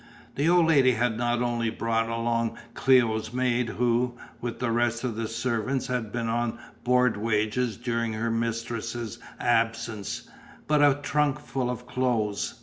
The old lady had not only brought along Cléo's maid who, with the rest of the servants, had been on board wages during her mistress's absence, but a trunk full of clothes.